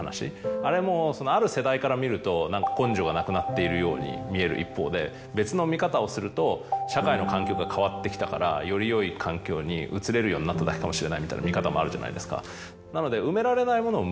あれもある世代から見ると何か根性がなくなっているように見える一方で別の見方をすると社会の環境が変わってきたからよりよい環境に移れるようになっただけかもしれないみたいな見方もあるじゃないですかなので。